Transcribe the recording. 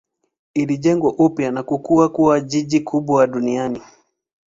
Ilijengwa upya na kukua kuwa jiji kubwa duniani.